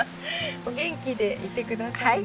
お元気でいて下さいね。